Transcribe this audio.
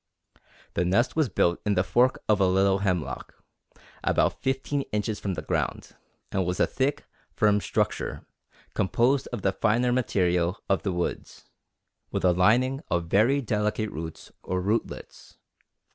The nest was built in the fork of a little hemlock, about fifteen inches from the ground, and was a thick, firm structure, composed of the finer material of the woods, with a lining of very delicate roots or rootlets.